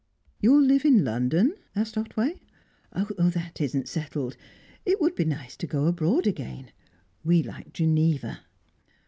"You will live in London?" asked Otway. "That isn't settled. It would be nice to go abroad again. We liked Geneva."